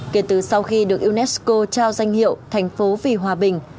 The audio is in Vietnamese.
kể từ sau khi được unesco trao danh hiệu thành phố vì hòa bình